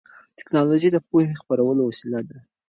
ټیکنالوژي د پوهې خپرولو وسیله ده.